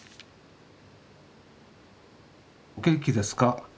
「お元気ですか？